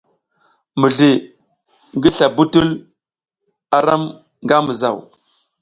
Mizli ngi sla bitul a ram nga mizaw.